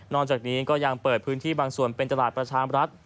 จากนี้ก็ยังเปิดพื้นที่บางส่วนเป็นตลาดประชามรัฐ